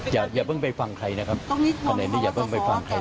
อย่าเพิ่งไปฟังใครนะครับ